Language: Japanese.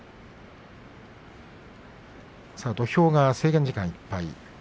土俵は制限時間いっぱいです。